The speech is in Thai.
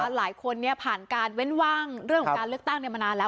หลายคนผ่านการเว้นว่างเรื่องของการเลือกตั้งมานานแล้ว